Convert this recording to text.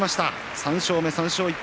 ３勝目、３勝１敗